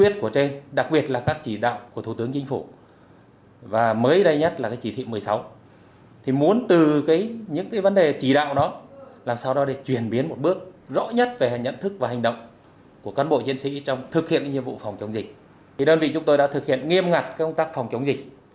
trong khi thực hiện nhiệm vụ phòng chống dịch đơn vị chúng tôi đã thực hiện nghiêm ngặt công tác phòng chống dịch